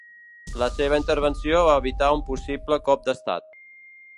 La seva intervenció va evitar un possible cop d'estat.